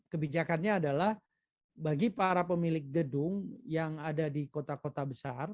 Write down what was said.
kebijakannya adalah bagi para pemilik gedung yang ada di kota kota besar